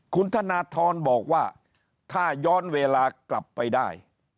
คุณธนทรบอกว่าถ้าย้อนเวลากลับไปได้